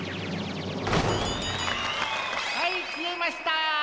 はいきえました！